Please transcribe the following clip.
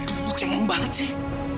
aduh cengeng banget sih